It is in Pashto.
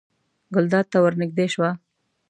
ګلداد ته ور نږدې شوه.